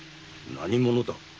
何者だ。